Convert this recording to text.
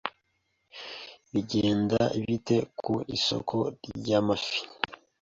Bigenda bite ku isoko ryamafi?